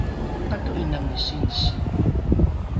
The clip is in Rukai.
pato’iname singsi